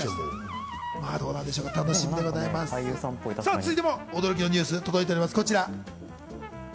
続いても驚きのニュース届いています、こちら。